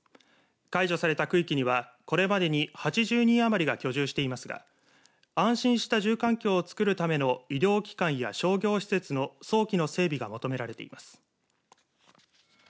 解除された区域には、これまでに８０人余りが居住していますが安心した住環境をつくるための医療機関や商業施設の早期の整備が求められています。